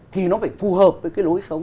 thì nó phải phù hợp với cái lối sống